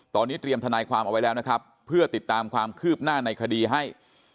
ตอนนี้เตรียมทนายความเอาไว้แล้วนะครับเพื่อติดตามความคืบหน้าในคดีให้